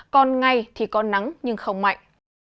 còn ngày thì có nắng nhưng không mạnh